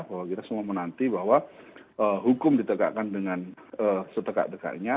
bahwa kita semua menanti bahwa hukum ditegakkan dengan setegak dekatnya